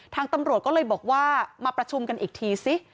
ทางตำรวจก็เลยบอกว่ามาประชุมกันอีกทีซิ